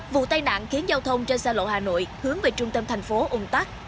vụ tai nạn khiến giao thông trên xa lộ hà nội hướng về trung tâm thành phố ung tắc